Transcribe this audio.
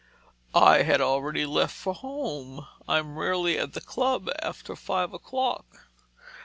"I had already left for home. I'm rarely at the club after five o'clock.